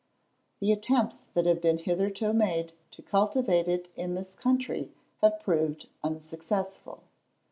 The attempts that have been hitherto made to cultivate it in this country have proved unsuccessful.